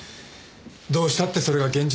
どうしたってそれが現実。